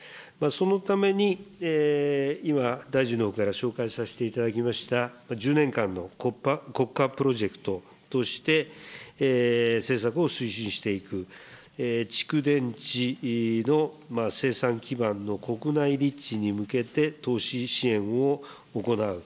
そのために今、大臣のほうから紹介させていただきました１０年間の国家プロジェクトとして、政策を推進していく、蓄電池の生産基盤の国内立地に向けて投資支援を行う。